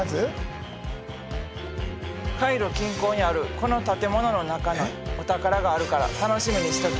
カイロ近郊にあるこの建物の中にお宝があるから楽しみにしとき。